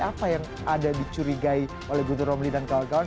apa yang ada dicurigai oleh guntur romli dan kawan kawan